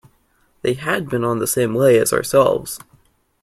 They had been on the same lay as ourselves.